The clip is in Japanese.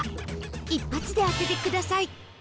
一発で当ててください